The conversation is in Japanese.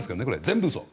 全部嘘。